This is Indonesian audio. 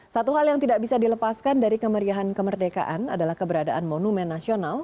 satu hal yang tidak bisa dilepaskan dari kemeriahan kemerdekaan adalah keberadaan monumen nasional